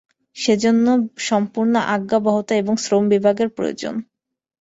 সেজন্য সম্পূর্ণ আজ্ঞাবহতা এবং শ্রম-বিভাগের প্রয়োজন।